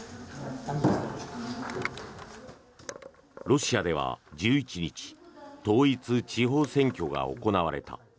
ロシアでは１１日統一地方選挙が行われた。